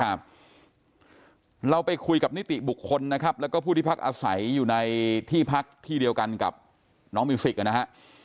เราไปคุยกับนิติบุคคลนะครับแล้วก็ผู้ที่พักอาศัยอยู่ในที่พักที่เดียวกันกับน้องมิวสิกนะฮะ